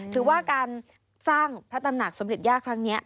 ถือว่าการสร้างพระตำหนักสมเด็จย่าครั้งนี้